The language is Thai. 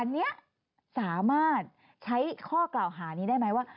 อันนี้สามารถใช้ข้อกล่าวหานี้ได้ไหมว่า